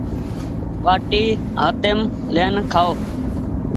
ٻآٽي هآتيم لين کآئو۔